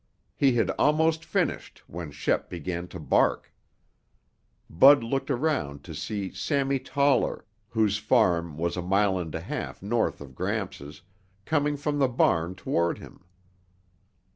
He had almost finished when Shep began to bark. Bud looked around to see Sammy Toller, whose farm was a mile and a half north of Gramps', coming from the barn toward him.